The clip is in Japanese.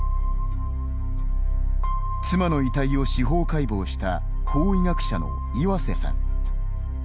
妻の遺体を司法解剖した法医学者の岩瀬さん。